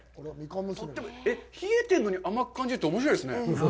冷えてるのに甘く感じるっておもしろいですね。